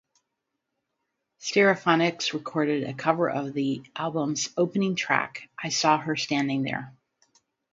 Stereophonics recorded a cover of the album's opening track, "I Saw Her Standing There".